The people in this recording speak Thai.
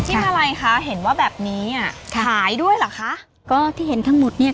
อะไรคะเห็นว่าแบบนี้อ่ะขายด้วยเหรอคะก็ที่เห็นทั้งหมดเนี้ย